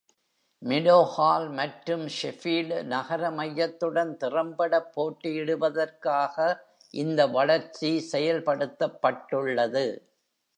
Meadowhall மற்றும் Sheffield நகர மையத்துடன் திறம்பட போட்டியிடுவதற்காக இந்த வளர்ச்சி செயல்படுத்தப்பட்டுள்ளது.